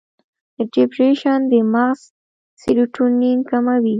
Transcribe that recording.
د ډیپریشن د مغز سیروټونین کموي.